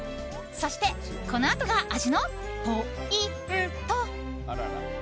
そして、このあとが味のポイント。